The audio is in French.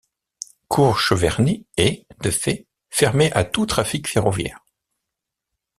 Cour-Cheverny est, de fait, fermée à tout trafic ferroviaire.